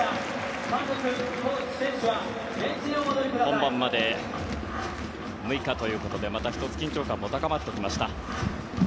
本番まで６日ということでまた１つ緊張感も高まってきました。